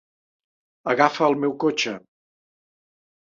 Agafa el meu cotxe.